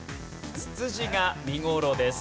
ツツジが見頃です。